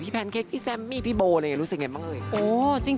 พี่แพนเคคพี่แซมมี่พี่โบร์รู้สึกยังไงบ้าง